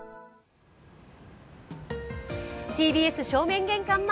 ＴＢＳ正面玄関